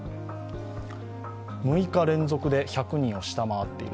６日連続で１００人を下回っている。